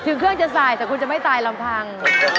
เครื่องจะสายแต่คุณจะไม่ตายลำพัง